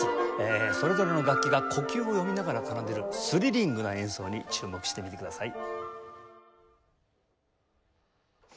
それぞれの楽器が呼吸を読みながら奏でるスリリングな演奏に注目してみてください。